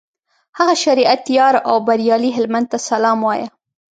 هغه شریعت یار او بریالي هلمند ته سلام وایه.